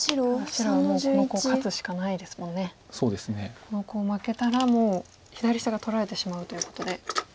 このコウ負けたらもう左下が取られてしまうということで。